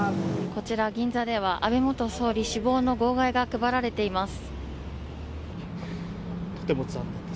こちら銀座では安倍元総理死亡の号外が配られています。